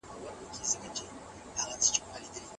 مېرمن میشایلا بینتهاوس فضا ته لاړه.